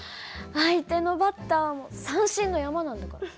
相手のバッターも三振の山なんだから。